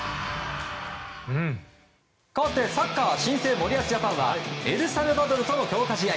かわって、サッカー新生・森保ジャパンはエルサルバドルとの強化試合。